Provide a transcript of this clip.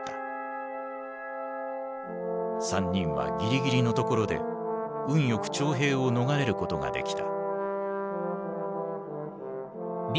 ３人はぎりぎりのところで運よく徴兵を逃れることができた。